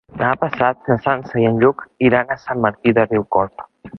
Demà passat na Sança i en Lluc iran a Sant Martí de Riucorb.